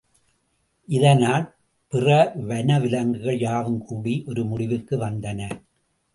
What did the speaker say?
இதனால் பிற வனவிலங்குகள் யாவும் கூடி ஒரு முடிவுக்கு வந்தன.